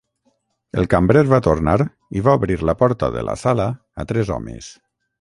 El cambrer va tornar i va obrir la porta de la sala a tres homes.